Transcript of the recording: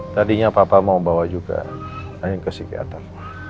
tadinya papa mau bawa juga tapi kesikiatan